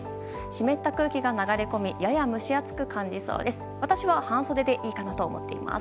湿った空気が流れ込みやや蒸し暑く感じそうです。